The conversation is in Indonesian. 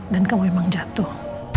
dan kamu emang jatuh